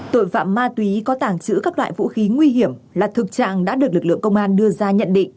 tội phạm ma túy có tàng trữ các loại vũ khí nguy hiểm là thực trạng đã được lực lượng công an đưa ra nhận định